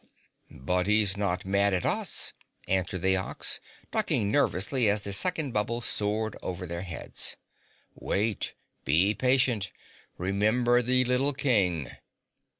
"But he's not mad at us!" answered the Ox, ducking nervously as the second bubble soared over their heads. "Wait! Be patient, remember the little King."